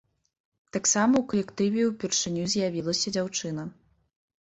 Таксама ў калектыве ўпершыню з'явілася дзяўчына.